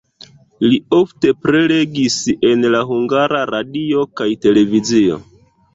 Li ofte prelegis en la Hungara Radio kaj televizio.